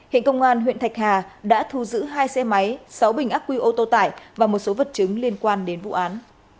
hiện công an huyện thạch hà đã thu giữ hai xe máy sáu bình ác quy ô tô tải và một số vật chứng liên quan đến vụ án